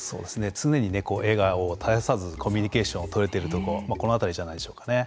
常に笑顔を絶やさずコミュニケーションを取れてるところこの辺りじゃないでしょうかね。